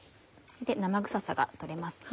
生臭さが取れますね。